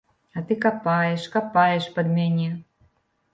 А ты капаеш, капаеш пад мяне!